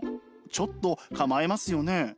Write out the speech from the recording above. ちょっと構えますよね。